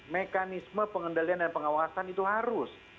mekanisme pengendalian dan pengawasan itu harus